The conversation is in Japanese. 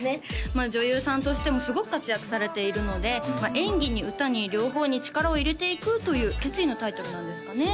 まあ女優さんとしてもすごく活躍されているので演技に歌に両方に力を入れていくという決意のタイトルなんですかね